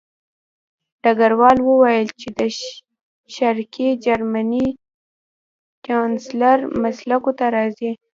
ډګروال وویل چې د شرقي جرمني چانسلر مسکو ته راځي